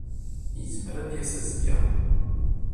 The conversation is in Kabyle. Yezmer ad d-yas azekka.